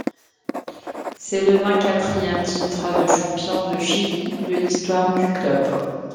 C'est le vingt-quatrième titre de champion du Chili de l'histoire du club.